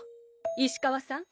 石川さん